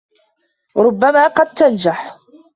ربما قد تنجح.